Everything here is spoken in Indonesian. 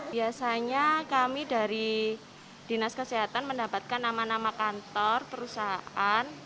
biasanya kami dari dinas kesehatan mendapatkan nama nama kantor perusahaan